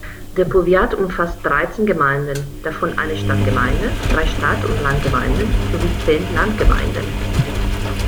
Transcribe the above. Der Powiat umfasst dreizehn Gemeinden, davon eine Stadtgemeinde, drei Stadt-und-Land-Gemeinden sowie zehn Landgemeinden.